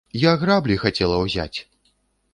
Я граблі хацела ўзяць!